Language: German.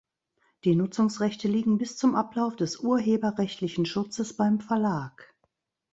Die Nutzungsrechte liegen bis zum Ablauf des urheberrechtlichen Schutzes beim Verlag.